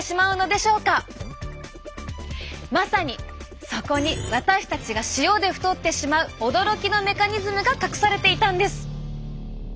まさにそこに私たちが塩で太ってしまう驚きのメカニズムが隠されていたんです！